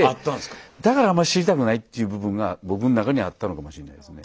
だからあまり知りたくないっていう部分が僕の中にあったのかもしれないですね。